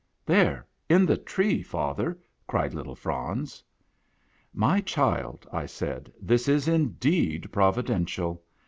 " There, in the tree, father," cried little Franz. "My child," I said, "this is indeed providential."